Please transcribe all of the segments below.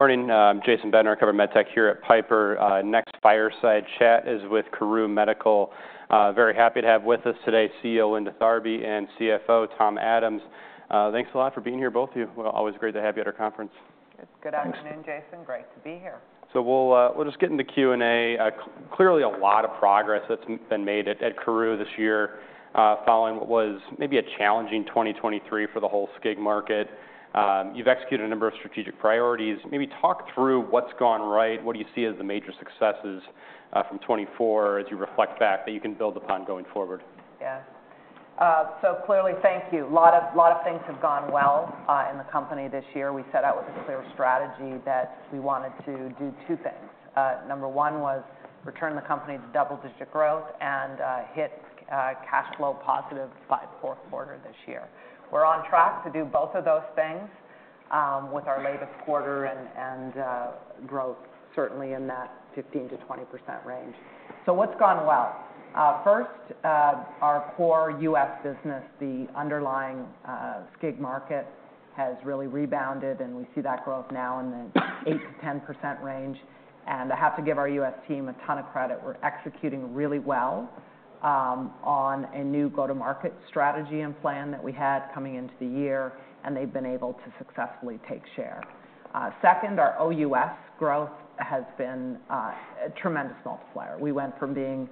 Morning, Jason Bednar, KORU Medical here at Piper. Next fireside chat is with KORU Medical. Very happy to have with us today CEO Linda Tharby and CFO Tom Adams. Thanks a lot for being here, both of you. Always great to have you at our conference. Good afternoon, Jason. Great to be here. So we'll just get into Q&A. Clearly, a lot of progress that's been made at KORU this year following what was maybe a challenging 2023 for the whole SCIG market. You've executed a number of strategic priorities. Maybe talk through what's gone right, what do you see as the major successes from 2024 as you reflect back that you can build upon going forward? Yeah. So, clearly, thank you. A lot of things have gone well in the company this year. We set out with a clear strategy that we wanted to do two things. Number one was return the company to double-digit growth and hit cash flow positive by Q4 this year. We're on track to do both of those things with our latest quarter and growth certainly in that 15%-20% range. So what's gone well? First, our core U.S. business, the underlying SCIG market, has really rebounded, and we see that growth now in the 8%-10% range. And I have to give our U.S. team a ton of credit. We're executing really well on a new go-to-market strategy and plan that we had coming into the year, and they've been able to successfully take share. Second, our OUS growth has been a tremendous multiplier. We went from being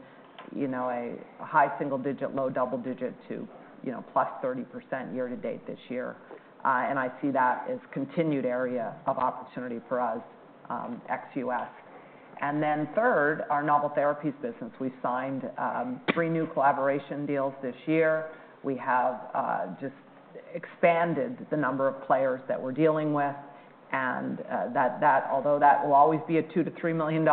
a high single digit, low double digit to +30% year to date this year. And I see that as a continued area of opportunity for us, ex-U.S.. And then third, our novel therapies business. We signed three new collaboration deals this year. We have just expanded the number of players that we're dealing with. And although that will always be a $2-3 million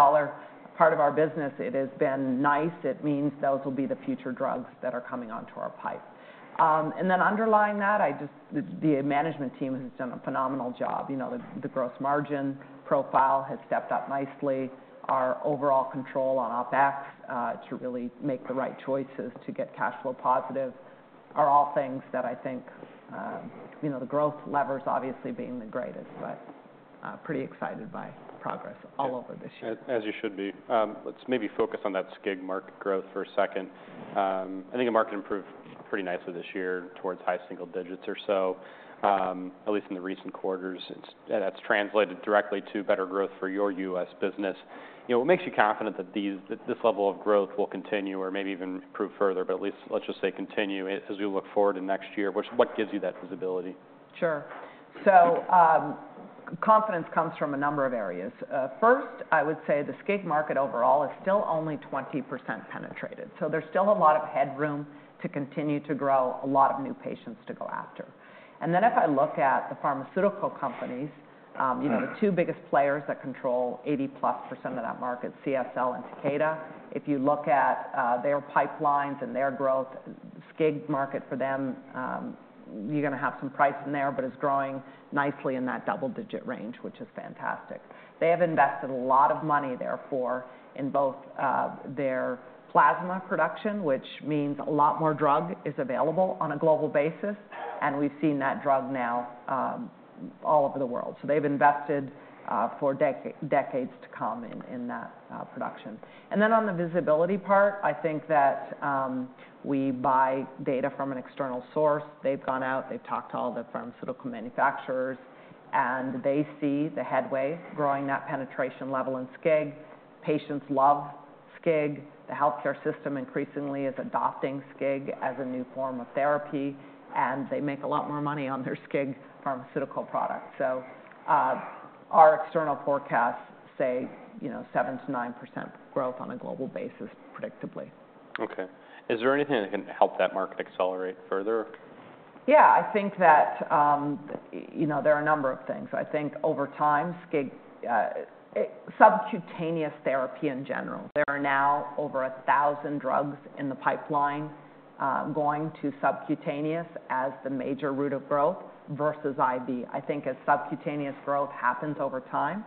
part of our business, it has been nice. It means those will be the future drugs that are coming onto our pipeline. And then underlying that, the management team has done a phenomenal job. The gross margin profile has stepped up nicely. Our overall control on OpEx to really make the right choices to get cash flow positive are all things that I think the growth levers obviously being the greatest, but pretty excited by progress all over this year. As you should be. Let's maybe focus on that SCIG market growth for a second. I think the market improved pretty nicely this year towards high single digits or so, at least in the recent quarters. That's translated directly to better growth for your U.S. business. What makes you confident that this level of growth will continue or maybe even improve further, but at least let's just say continue as we look forward to next year? What gives you that visibility? Sure. So confidence comes from a number of areas. First, I would say the SCIG market overall is still only 20% penetrated. So there's still a lot of headroom to continue to grow a lot of new patients to go after. And then if I look at the pharmaceutical companies, the two biggest players that control 80% plus of that market, CSL and Takeda, if you look at their pipelines and their growth, SCIG market for them, you're going to have some price in there, but it's growing nicely in that double-digit range, which is fantastic. They have invested a lot of money, therefore, in both their plasma production, which means a lot more drug is available on a global basis, and we've seen that drug now all over the world. So they've invested for decades to come in that production. And then on the visibility part, I think that we buy data from an external source. They've gone out, they've talked to all the pharmaceutical manufacturers, and they see the headway, growing that penetration level in SCIG. Patients love SCIG. The healthcare system increasingly is adopting SCIG as a new form of therapy, and they make a lot more money on their SCIG pharmaceutical products. So our external forecasts say 7%-9% growth on a global basis, predictably. Okay. Is there anything that can help that market accelerate further? Yeah, I think that there are a number of things. I think over time, SCIG subcutaneous therapy in general. There are now over 1,000 drugs in the pipeline going to subcutaneous as the major route of growth versus IV. I think as subcutaneous growth happens over time,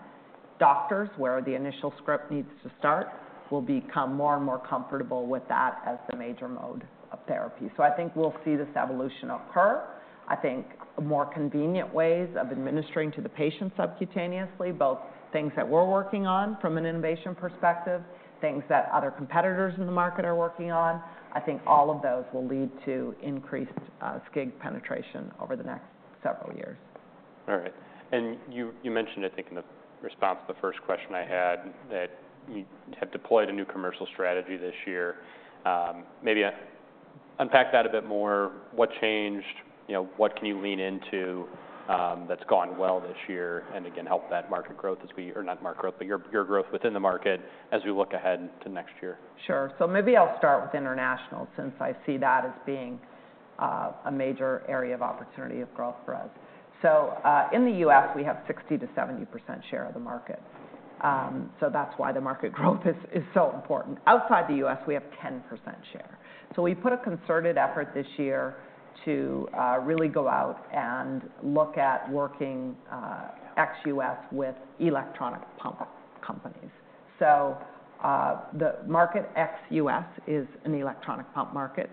doctors, where the initial script needs to start, will become more and more comfortable with that as the major mode of therapy. So I think we'll see this evolution occur. I think more convenient ways of administering to the patient subcutaneously, both things that we're working on from an innovation perspective, things that other competitors in the market are working on, I think all of those will lead to increased SCIG penetration over the next several years. All right. And you mentioned, I think in the response to the first question I had, that you have deployed a new commercial strategy this year. Maybe unpack that a bit more. What changed? What can you lean into that's gone well this year and, again, help that market growth as we, or not market growth, but your growth within the market, as we look ahead to next year? Sure. So maybe I'll start with international since I see that as being a major area of opportunity of growth for us. So in the U.S., we have 60% to 70% share of the market. So that's why the market growth is so important. Outside the U.S., we have 10% share. So we put a concerted effort this year to really go out and look at working ex-U.S. with electronic pump companies. So the market ex-U.S. is an electronic pump market.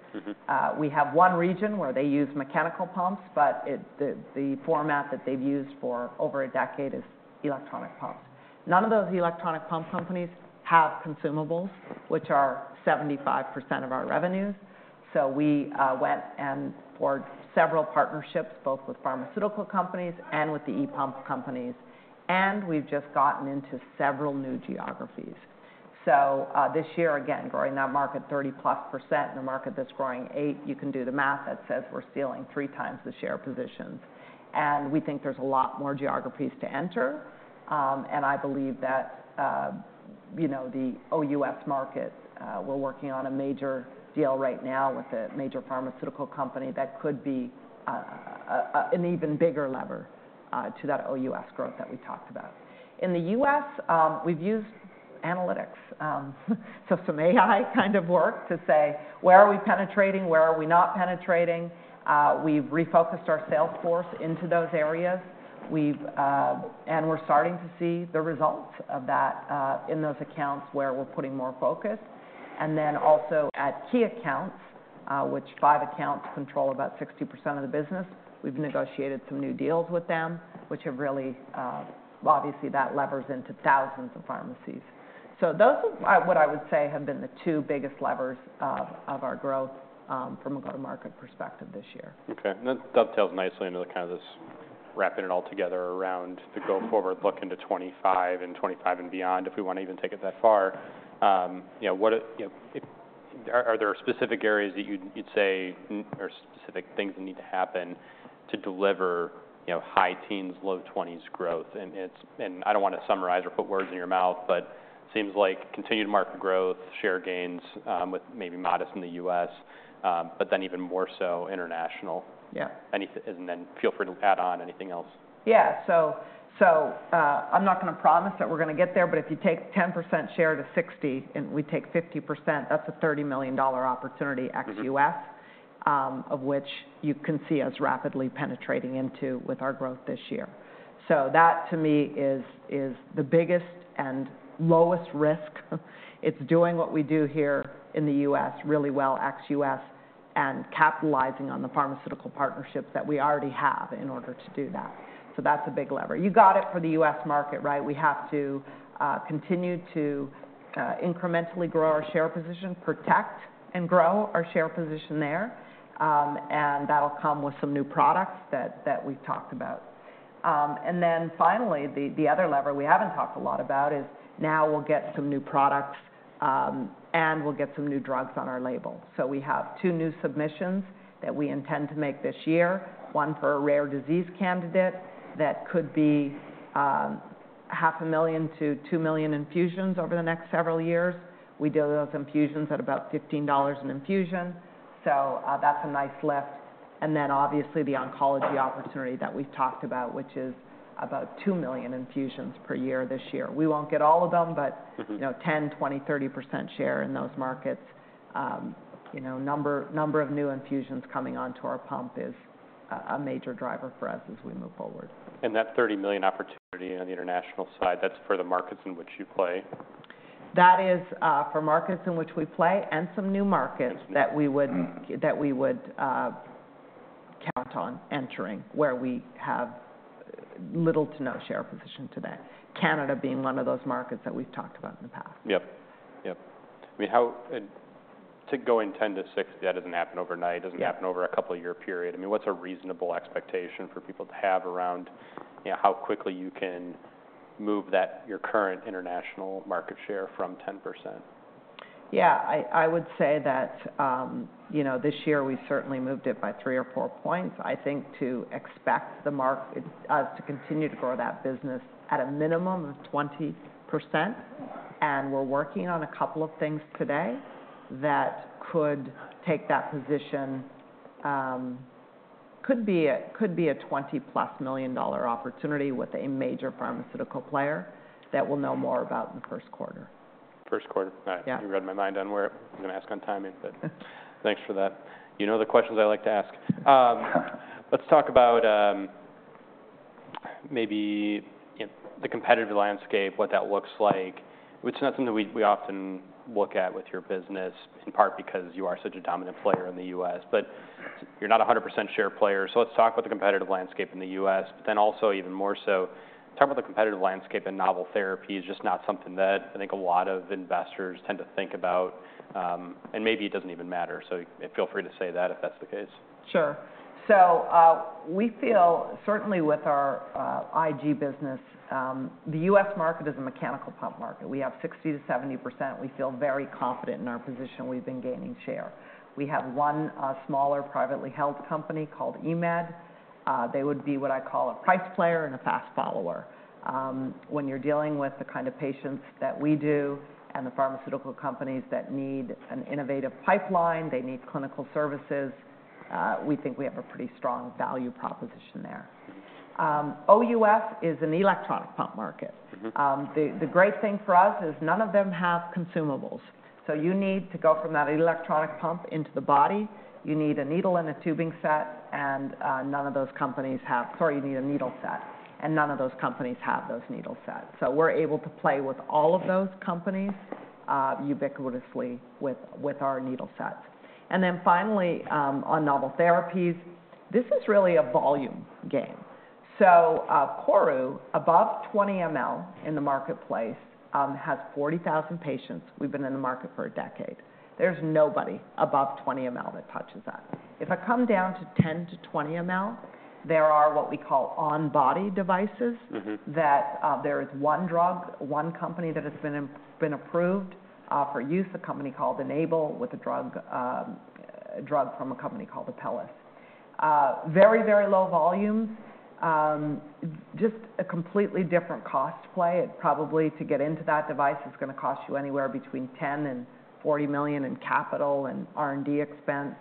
We have one region where they use mechanical pumps, but the format that they've used for over a decade is electronic pumps. None of those electronic pump companies have consumables, which are 75% of our revenues. So we went and formed several partnerships, both with pharmaceutical companies and with the e-pump companies, and we've just gotten into several new geographies. So this year, again, growing that market 30% plus and a market that's growing 8%, you can do the math. That says we're stealing three times the share positions. And we think there's a lot more geographies to enter. And I believe that the OUS market, we're working on a major deal right now with a major pharmaceutical company that could be an even bigger lever to that OUS growth that we talked about. In the U.S., we've used analytics, so some AI kind of work to say, where are we penetrating, where are we not penetrating? We've refocused our sales force into those areas, and we're starting to see the results of that in those accounts where we're putting more focus. And then also at key accounts, which five accounts control about 60% of the business, we've negotiated some new deals with them, which have really, obviously, that levers into thousands of pharmacies. So those are what I would say have been the two biggest levers of our growth from a go-to-market perspective this year. Okay. That dovetails nicely into kind of this wrapping it all together around the go-forward look into 2025 and 2025 and beyond if we want to even take it that far. Are there specific areas that you'd say or specific things that need to happen to deliver high 10s, low 20s growth? And I don't want to summarize or put words in your mouth, but it seems like continued market growth, share gains with maybe modest in the U.S., but then even more so international. Yeah. And then feel free to add on anything else. Yeah. So I'm not going to promise that we're going to get there, but if you take 10%-60% and we take 50%, that's a $30 million opportunity ex-U.S., of which you can see us rapidly penetrating into with our growth this year. So that to me is the biggest and lowest risk. It's doing what we do here in the U.S. really well ex-U.S. and capitalizing on the pharmaceutical partnerships that we already have in order to do that. So that's a big lever. You got it for the U.S. market, right? We have to continue to incrementally grow our share position, protect and grow our share position there. And that'll come with some new products that we've talked about. And then finally, the other lever we haven't talked a lot about is now we'll get some new products and we'll get some new drugs on our label. So we have two new submissions that we intend to make this year, one for a rare disease candidate that could be 500,000 to 2 million infusions over the next several years. We do those infusions at about $15 an infusion. So that's a nice lift. And then obviously the oncology opportunity that we've talked about, which is about 2 million infusions per year this year. We won't get all of them, but 10%, 20%, 30% share in those markets. Number of new infusions coming onto our pump is a major driver for us as we move forward. That $30 million opportunity on the international side, that's for the markets in which you play? That is for markets in which we play and some new markets that we would count on entering where we have little to no share position today. Canada being one of those markets that we've talked about in the past. Yep. Yep. I mean, to go from 10%-60%, that doesn't happen overnight. It doesn't happen over a couple-year period. I mean, what's a reasonable expectation for people to have around how quickly you can move your current international market share from 10%? Yeah. I would say that this year we certainly moved it by three or four points, I think, to expect us to continue to grow that business at a minimum of 20%. We're working on a couple of things today that could take that position, could be a $20-plus million opportunity with a major pharmaceutical player that we'll know more about in Q1. Q1. Yeah. You read my mind on where I was going to ask on timing, but thanks for that. You know the questions I like to ask. Let's talk about maybe the competitive landscape, what that looks like, which is not something we often look at with your business, in part because you are such a dominant player in the U.S., but you're not a 100% share player. So let's talk about the competitive landscape in the U.S., but then also even more so, talk about the competitive landscape in novel therapy is just not something that I think a lot of investors tend to think about, and maybe it doesn't even matter. So feel free to say that if that's the case. Sure. So we feel certainly with our IG business, the U.S. market is a mechanical pump market. We have 60%-70%. We feel very confident in our position. We've been gaining share. We have one smaller privately held company called EMED. They would be what I call a price player and a fast follower. When you're dealing with the kind of patients that we do and the pharmaceutical companies that need an innovative pipeline, they need clinical services, we think we have a pretty strong value proposition there. OUS is an electronic pump market. The great thing for us is none of them have consumables. So you need to go from that electronic pump into the body. You need a needle and a tubing set, and none of those companies have—sorry, you need a needle set, and none of those companies have those needle sets. We're able to play with all of those companies ubiquitously with our needle sets. Then finally, on novel therapies, this is really a volume game. KORU, above 20ml in the marketplace, has 40,000 patients. We've been in the market for a decade. There's nobody above 20ml that touches that. If I come down to 10 to 20ml, there are what we call on-body devices that there is one drug, one company that has been approved for use, a company called Enable Injections with a drug from a company called Apellis Pharmaceuticals. Very, very low volumes, just a completely different cost play. Probably to get into that device is going to cost you anywhere between $10-40 million in capital and R&D expense.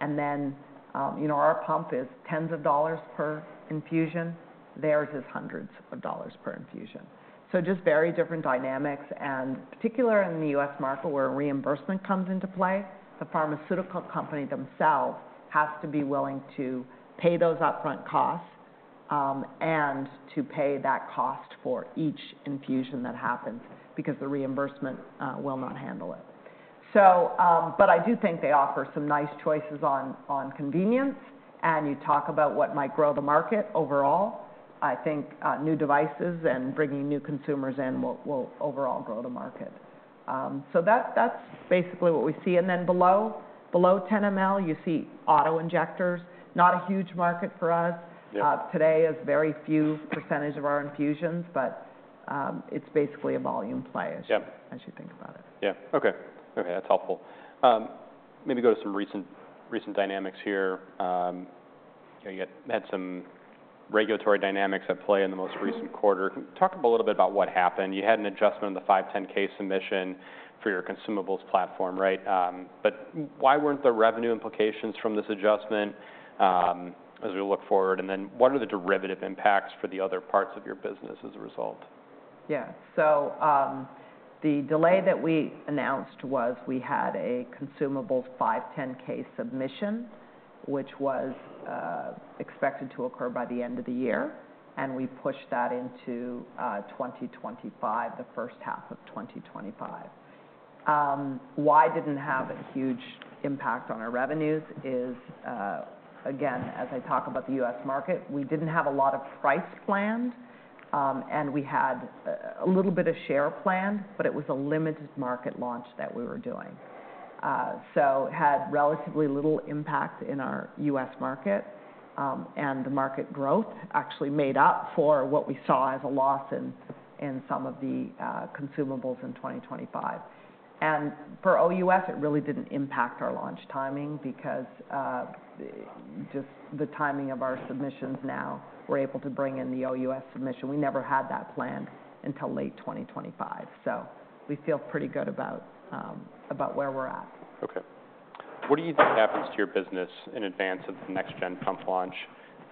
Then our pump is tens of dollars per infusion. Theirs is hundreds of dollars per infusion. Just very different dynamics. Particularly in the U.S. market where reimbursement comes into play, the pharmaceutical company themselves has to be willing to pay those upfront costs and to pay that cost for each infusion that happens because the reimbursement will not handle it. I do think they offer some nice choices on convenience. You talk about what might grow the market overall. I think new devices and bringing new consumers in will overall grow the market. That's basically what we see. Then below 10 ml, you see auto injectors. Not a huge market for us. Today, it's a very few percentage of our infusions, but it's basically a volume play as you think about it. That's helpful. Maybe go to some recent dynamics here. You had some regulatory dynamics at play in the most recent quarter. Talk a little bit about what happened. You had an adjustment in the 510(k) submission for your consumables platform, right? But why weren't the revenue implications from this adjustment as we look forward? And then what are the derivative impacts for the other parts of your business as a result? Yeah. So the delay that we announced was we had a consumables 510(k) submission, which was expected to occur by the end of the year. And we pushed that into 2025, the first half of 2025. Why it didn't have a huge impact on our revenues is, again, as I talk about the U.S. market, we didn't have a lot of price planned, and we had a little bit of share planned, but it was a limited market launch that we were doing. So it had relatively little impact in our U.S. market. And the market growth actually made up for what we saw as a loss in some of the consumables in 2025. And for OUS, it really didn't impact our launch timing because just the timing of our submissions now, we're able to bring in the OUS submission. We never had that planned until late 2025. So we feel pretty good about where we're at. Okay. What do you think happens to your business in advance of the next-gen pump launch?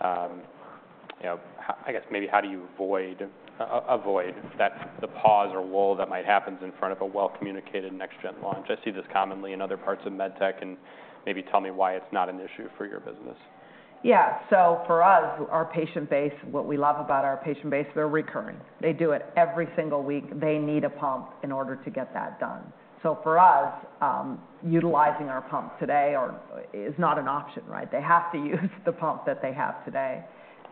I guess maybe how do you avoid the pause or lull that might happen in front of a well-communicated next-gen launch? I see this commonly in other parts of med tech, and maybe tell me why it's not an issue for your business. Yeah. So for us, our patient base, what we love about our patient base, they're recurring. They do it every single week. They need a pump in order to get that done. So for us, utilizing our pump today is not an option, right? They have to use the pump that they have today.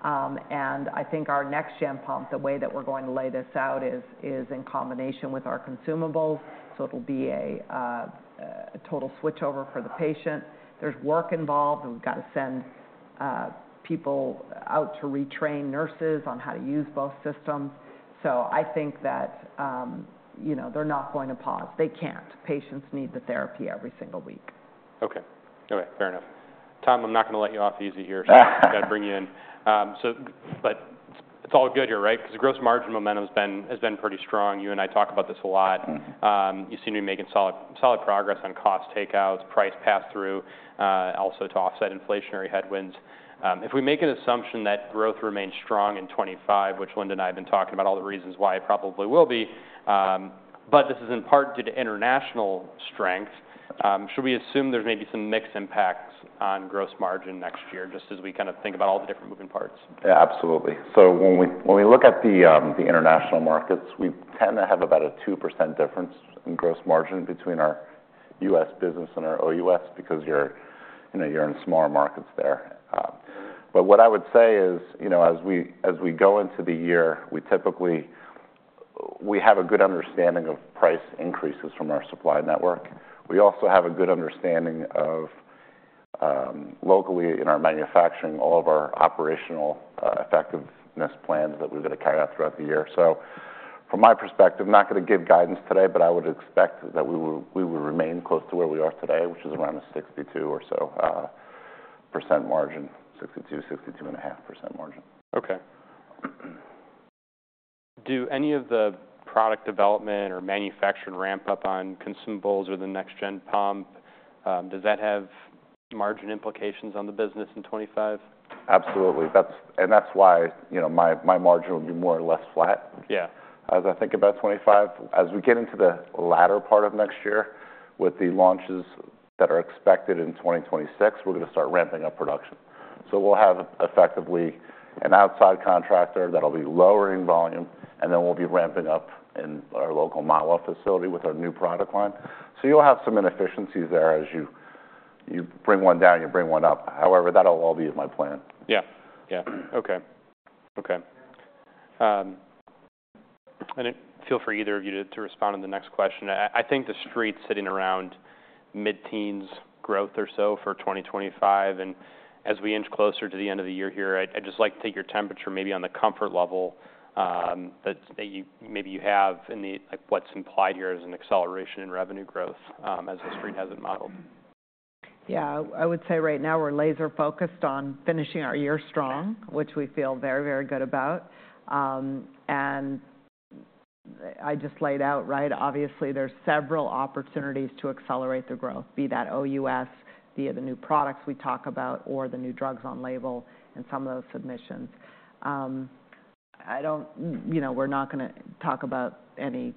And I think our next-gen pump, the way that we're going to lay this out is in combination with our consumables. So it'll be a total switchover for the patient. There's work involved. We've got to send people out to retrain nurses on how to use both systems. So I think that they're not going to pause. They can't. Patients need the therapy every single week. Okay. All right. Fair enough. Tom, I'm not going to let you off easy here, so I've got to bring you in. But it's all good here, right? Because the gross margin momentum has been pretty strong. You and I talk about this a lot. You seem to be making solid progress on cost takeouts, price pass-through, also to offset inflationary headwinds. If we make an assumption that growth remains strong in 2025, which Linda and I have been talking about all the reasons why it probably will be, but this is in part due to international strength, should we assume there's maybe some mixed impacts on gross margin next year just as we kind of think about all the different moving parts? Yeah, absolutely. So when we look at the international markets, we tend to have about a 2% difference in gross margin between our U.S. business and our OUS because you're in smaller markets there. But what I would say is as we go into the year, we typically have a good understanding of price increases from our supply network. We also have a good understanding of locally in our manufacturing, all of our operational effectiveness plans that we're going to carry out throughout the year. So from my perspective, I'm not going to give guidance today, but I would expect that we would remain close to where we are today, which is around a 62% or so % margin, 62%, 62.5% margin. Okay. Do any of the product development or manufacturing ramp up on consumables or the next-gen pump? Does that have margin implications on the business in 2025? Absolutely. And that's why my margin will be more or less flat as I think about 2025. As we get into the latter part of next year with the launches that are expected in 2026, we're going to start ramping up production. So we'll have effectively an outside contractor that'll be lowering volume, and then we'll be ramping up in our local Mahwah facility with our new product line. So you'll have some inefficiencies there as you bring one down, you bring one up. However, that'll all be in my plan. Yeah. Yeah. Okay. Okay. I didn't feel the need for either of you to respond on the next question. I think the Street's sitting around mid-teens growth or so for 2025. And as we inch closer to the end of the year here, I'd just like to take your temperature maybe on the comfort level that maybe you have and what's implied here as an acceleration in revenue growth as the Street hasn't modeled. Yeah. I would say right now we're laser-focused on finishing our year strong, which we feel very, very good about. And I just laid out, right? Obviously, there's several opportunities to accelerate the growth, be that OUS via the new products we talk about or the new drugs on label in some of those submissions. We're not going to talk about any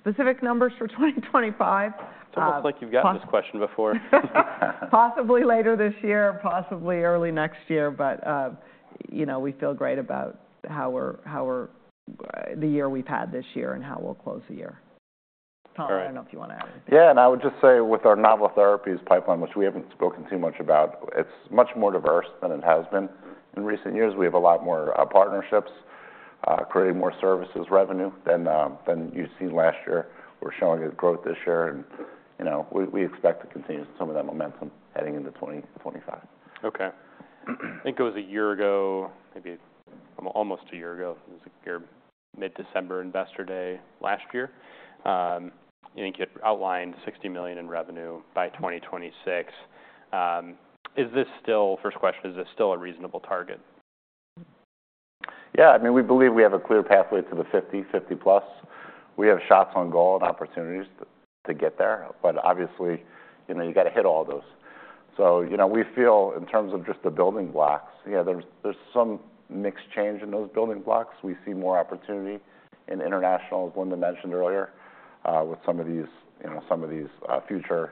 specific numbers for 2025. It's almost like you've gotten this question before. Possibly later this year, possibly early next year, but we feel great about how the year we've had this year and how we'll close the year. Tom, I don't know if you want to add anything. Yeah. And I would just say with our novel therapies pipeline, which we haven't spoken too much about, it's much more diverse than it has been in recent years. We have a lot more partnerships, creating more services revenue than you've seen last year. We're showing good growth this year, and we expect to continue some of that momentum heading into 2025. Okay. I think it was a year ago, maybe almost a year ago. It was your mid-December investor day last year. You think you had outlined $60 million in revenue by 2026. Is this still, first question, is this still a reasonable target? Yeah. I mean, we believe we have a clear pathway to the 50, 50 plus. We have shots on goal and opportunities to get there, but obviously, you've got to hit all those. So we feel in terms of just the building blocks, yeah, there's some mixed change in those building blocks. We see more opportunity in international, as Linda mentioned earlier, with some of these future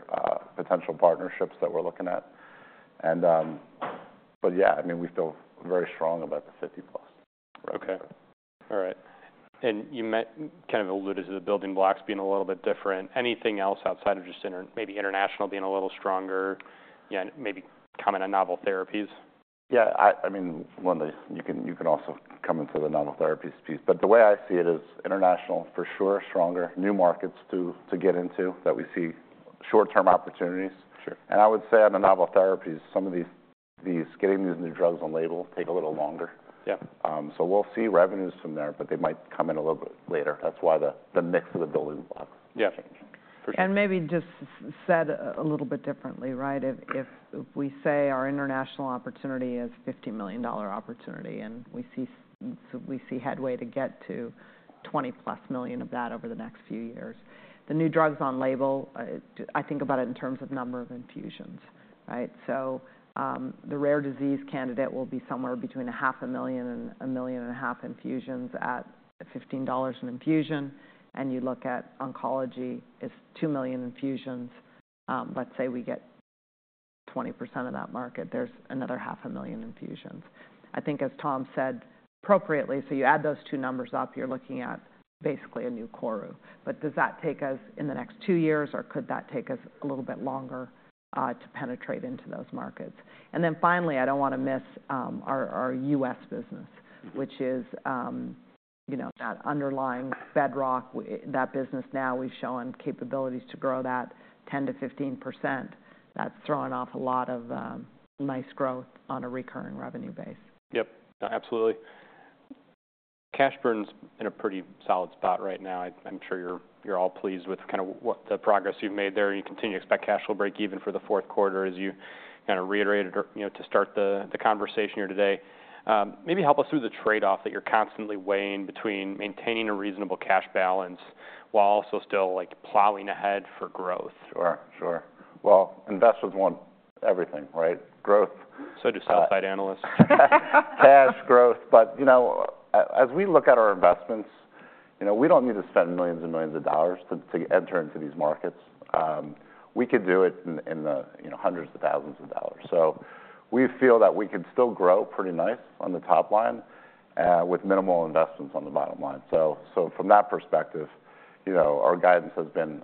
potential partnerships that we're looking at. But yeah, I mean, we feel very strong about the 50 plus. Okay. All right, and you kind of alluded to the building blocks being a little bit different. Anything else outside of just maybe international being a little stronger, maybe coming to novel therapies? Yeah. I mean, Linda, you can also come into the novel therapies piece. But the way I see it is international for sure, stronger new markets to get into that we see short-term opportunities. And I would say on the novel therapies, some of these getting these new drugs on label take a little longer. So we'll see revenues from there, but they might come in a little bit later. That's why the mix of the building blocks change. And maybe just said a little bit differently, right? If we say our international opportunity is a $50 million opportunity and we see headway to get to 20 plus million of that over the next few years, the new drugs on label, I think about it in terms of number of infusions, right? So the rare disease candidate will be somewhere between 500,000 and 1.5 million infusions at $15 an infusion. And you look at oncology, it's 2 million infusions. Let's say we get 20% of that market, there's another 500,000 infusions. I think as Tom said appropriately, so you add those two numbers up, you're looking at basically a new KORU. But does that take us in the next two years, or could that take us a little bit longer to penetrate into those markets? And then finally, I don't want to miss our U.S. business, which is that underlying bedrock, that business now we've shown capabilities to grow that 10%-15%. That's throwing off a lot of nice growth on a recurring revenue base. Yep. Absolutely. Cash burn's in a pretty solid spot right now. I'm sure you're all pleased with kind of the progress you've made there. You continue to expect cash flow break even for the fourth quarter, as you kind of reiterated to start the conversation here today. Maybe help us through the trade-off that you're constantly weighing between maintaining a reasonable cash balance while also still plowing ahead for growth. Sure. Sure. Well, investors want everything, right? Growth. So do sell-side analysts. Cash, growth. But as we look at our investments, we don't need to spend millions and millions of dollars to enter into these markets. We could do it in the hundreds of thousands of dollars. So we feel that we could still grow pretty nice on the top line with minimal investments on the bottom line. So from that perspective, our guidance has been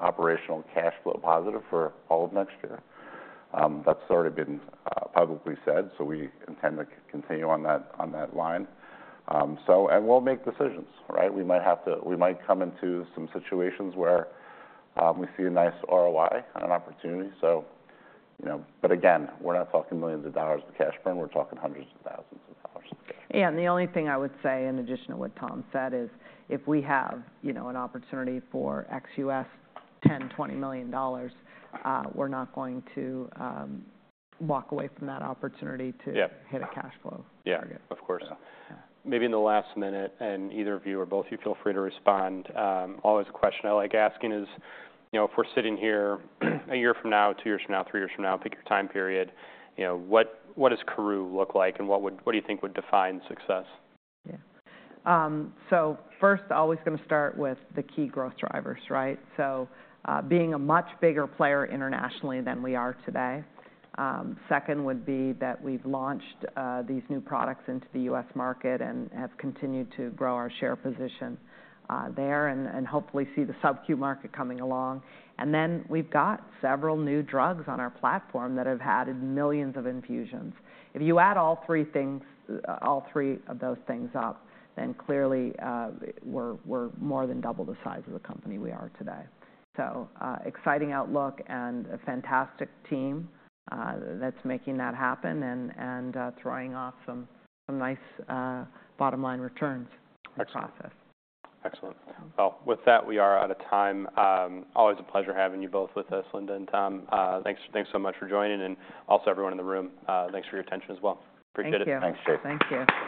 operational cash flow positive for all of next year. That's already been publicly said. So we intend to continue on that line. And we'll make decisions, right? We might come into some situations where we see a nice ROI on an opportunity. But again, we're not talking millions of dollars of cash burn. We're talking hundreds of thousands of dollars. Yeah. And the only thing I would say in addition to what Tom said is if we have an opportunity for OUS, $10-20 million, we're not going to walk away from that opportunity to hit a cash flow target. Yeah. Of course. Maybe in the last minute, and either of you or both of you feel free to respond. Always a question I like asking is if we're sitting here a year from now, two years from now, three years from now, pick your time period, what does KORU look like and what do you think would define success? Yeah. So first, I'm always going to start with the key growth drivers, right? So being a much bigger player internationally than we are today. Second would be that we've launched these new products into the U.S. market and have continued to grow our share position there and hopefully see the sub-Q market coming along. And then we've got several new drugs on our platform that have had millions of infusions. If you add all three of those things up, then clearly we're more than double the size of the company we are today. So exciting outlook and a fantastic team that's making that happen and throwing off some nice bottom line returns in the process. Excellent. Well, with that, we are out of time. Always a pleasure having you both with us, Linda and Tom. Thanks so much for joining. And also everyone in the room, thanks for your attention as well. Appreciate it. Thank you. Thanks, [both]. Thank you.